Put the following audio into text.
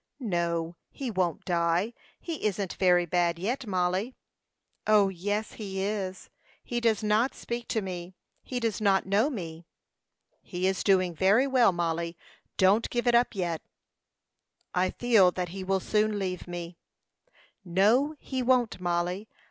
"No, he won't die. He isn't very bad yet, Mollie." "O, yes, he is. He does not speak to me; he does not know me." "He is doing very well, Mollie. Don't give it up yet." "I feel that he will soon leave me." "No, he won't, Mollie.